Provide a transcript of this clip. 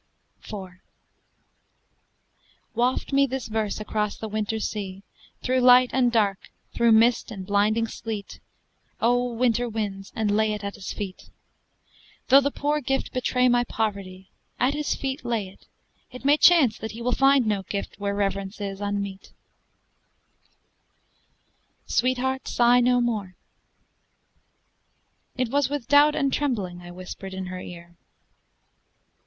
IV Waft me this verse across the winter sea, Through light and dark, through mist and blinding sleet, O winter winds, and lay it at his feet; Though the poor gift betray my poverty, At his feet lay it; it may chance that he Will find no gift, where reverence is, unmeet. [Illustration: POETRY. Photogravure from a painting by C. Schweninger.] SWEETHEART, SIGH NO MORE It was with doubt and trembling I whispered in her ear.